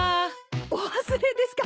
お忘れですか？